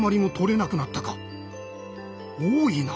多いな。